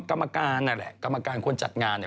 กรรมการนั่นแหละกรรมการคนจัดงานเนี่ย